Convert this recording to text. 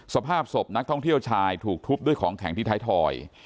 สภาพศพนักท่องเที่ยวชายถูกทุบด้วยของแข็งที่ไทยทอย